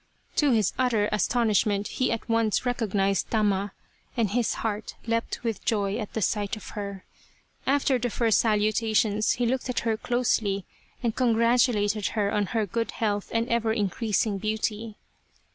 To his utter astonishment he at once recognized Tama, and his heart leapt with joy at sight of her. After the first salutations he looked at her closely and congratulated her on her good health and ever increasing beauty.